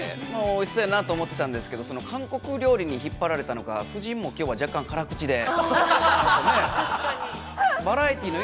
おいしそうやなと思ったんですけれども、韓国料理に引っ張られたのかちょっときょうは辛口で。